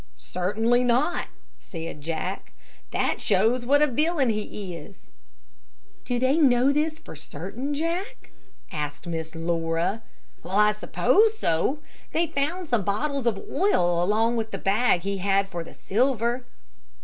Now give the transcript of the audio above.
"Certainly not," said Jack, that shows what a villain he is." "Do they know this for certain, Jack?" asked Miss Laura. "Well, they suppose so; they found some bottles of oil along with the bag he had for the silver."